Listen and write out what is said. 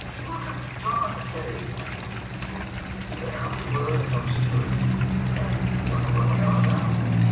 Look at John Hay and me. There we were in obscurity, and look where we are now.